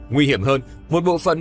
nguy hiểm hơn một bộ phận